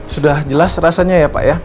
sudah jelas rasanya ya pak ya